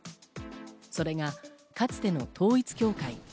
それがかつての統一教会。